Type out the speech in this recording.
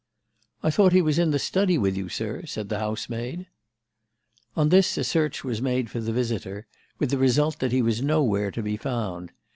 "'I thought he was in the study with you, sir,' said the housemaid. "On this a search was made for the visitor, with the result that he was nowhere to be found.